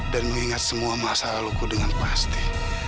dan mengingat semua masalah loku dengan pasti